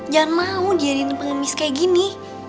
jangan mau diarin pengemis kayak gini